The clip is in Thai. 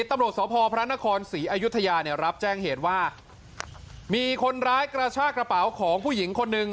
ตำรวจสพพระนครศรีอยุธยาเนี่ยรับแจ้งเหตุว่ามีคนร้ายกระชากระเป๋าของผู้หญิงคนหนึ่ง